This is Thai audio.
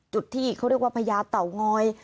จุดที่เขาเรียกว่าพญาเต่างอย